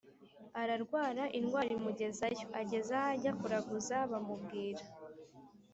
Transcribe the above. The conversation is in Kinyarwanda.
ararwara, indwara imugezayo. ageze aho ajya kuraguza, bamubwira